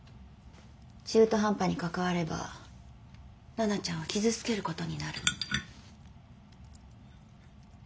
中途半端に関われば奈々ちゃんを傷つけることになる。